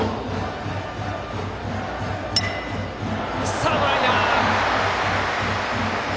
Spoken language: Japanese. サードライナー！